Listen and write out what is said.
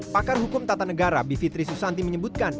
pakar hukum tata negara bivitri susanti menyebutkan